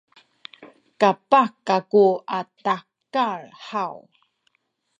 kapah kaku a tahekal haw?